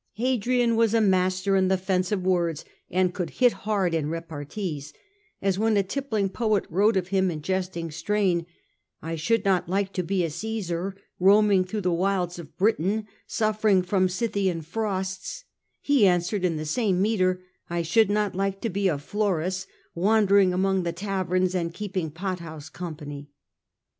Hadrian was a master in the fence of words, and could hit hard in repartees, as when a tippling poet wrote of him in jesting strain, ' I should not like to be a Caesar, roaming through the wilds of Britain, suffering from Scythian frosts,^ he answered in the same metre, * I should not like to be a Florus, wandering among the taverns and keeping pothouse company.